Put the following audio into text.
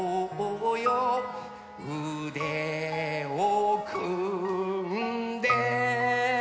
「うでをくんで、、、」